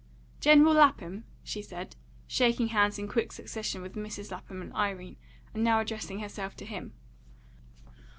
"General Lapham?" she said, shaking hands in quick succession with Mrs. Lapham and Irene, and now addressing herself to him.